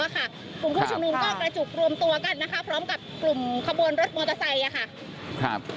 กลุ่มผู้ชุมนุมก็กระจุกรวมตัวกันนะคะพร้อมกับกลุ่มขบวนรถมอเตอร์ไซค์ค่ะ